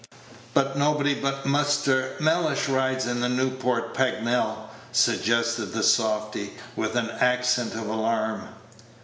"But nobody but Muster Mellish rides in the Newport Pagnell," suggested the softy, with an accent of alarm.